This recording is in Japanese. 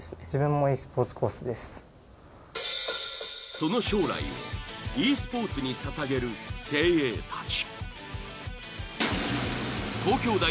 その将来をｅ−Ｓｐｏｒｔｓに捧げる精鋭たち。